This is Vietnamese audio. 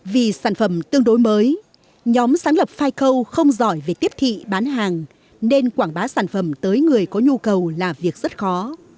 vì sản phẩm tương đối mới nhóm sáng lập fico không giỏi về tiếp thị bán hàng nên quảng bá sản phẩm tới người có nhu cầu là việc rất khó